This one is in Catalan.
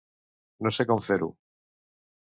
No sé com fer-ho.